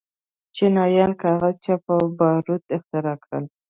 چینایانو کاغذ، چاپ او باروت اختراع کړل.